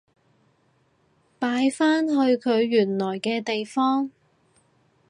擺返去佢原來嘅地方